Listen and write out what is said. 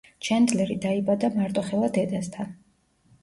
ჩენდლერი დაიბადა მარტოხელა დედასთან.